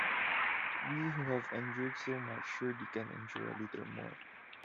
We who have endured so much surely can endure a little more.